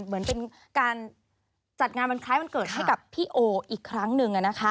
เหมือนเป็นการจัดงานวันคล้ายวันเกิดให้กับพี่โออีกครั้งหนึ่ง